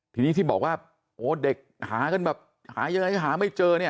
ที่นี้ที่เบาะว่าเด็กหาก็หาอย่างไรบ้างหาไม่เจอเนี่ย